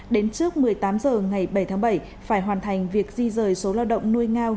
đến trước một mươi tám h ngày bảy tháng bảy phải hoàn thành việc di rời số lao động nuôi ngao